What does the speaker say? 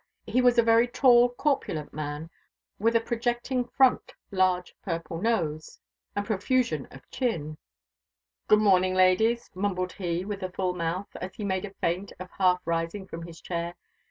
He was a very tall corpulent man, with a projecting front, large purple nose, and a profusion of chin. "Good morning, ladies," mumbled he with a full mouth, as he made a feint of half rising from his chair.